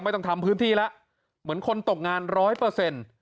ไม่ต้องทำพื้นที่ละเหมือนคนตกงาน๑๐๐